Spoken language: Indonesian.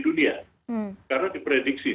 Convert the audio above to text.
dunia karena diprediksi